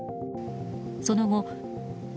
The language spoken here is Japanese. その後。